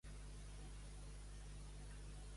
Ballmanetes, toca les tetes, toca-les bé que són petitetes.